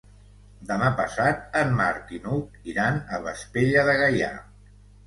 Demà passat en Marc i n'Hug iran a Vespella de Gaià.